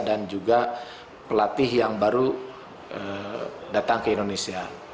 dan juga pelatih yang baru datang ke indonesia